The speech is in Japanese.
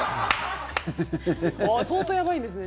相当やばいんですね。